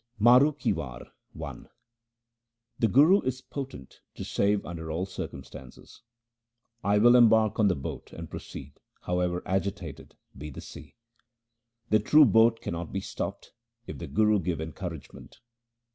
Maru ki War I The Guru is potent to save under all circum stances :— I will embark on the boat and proceed, however agitated be the sea. The true boat cannot be stopped if the Guru give en couragement.